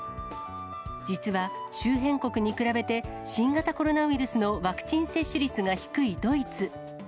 実は周辺国に比べて、新型コロナウイルスのワクチン接種率が低いドイツ。